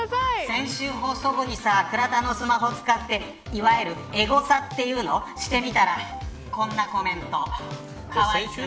先週放送後に倉田のスマホを使っていわゆるエゴサというのをしてみたらこんなコメント。